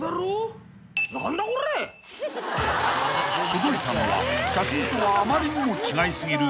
［届いたのは写真とはあまりにも違い過ぎる］